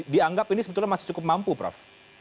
dianggap ini sebetulnya masih cukup mampu prof